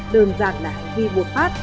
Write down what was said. đơn giản là hành vi buộc phát